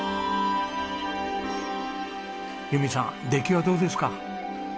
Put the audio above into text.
由美さん出来はどうですか？